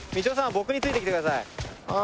僕についてきてください。